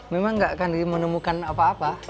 memang nggak akan menemukan apa apa